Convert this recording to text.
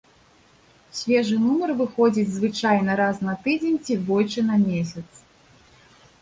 Свежы нумар выходзіць звычайна раз на тыдзень ці двойчы на месяц.